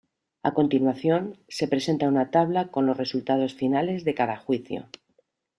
A continuación, se presenta una tabla con los resultados finales de cada juicio.